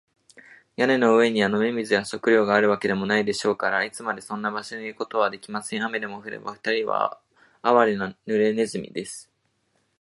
屋根の上には飲み水や食料があるわけでもないでしょうから、いつまでもそんな場所にいることはできません。雨でも降れば、ふたりはあわれな、ぬれネズミです。